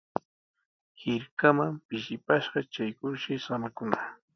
Hirkaman pishipashqa traykurshi samaykunaq.